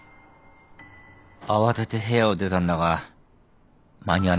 慌てて部屋を出たんだが間に合わなかったんだ。